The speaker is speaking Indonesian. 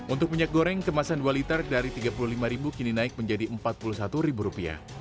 untuk minyak goreng kemasan dua liter dari tiga puluh lima ribu kini naik menjadi empat puluh satu ribu rupiah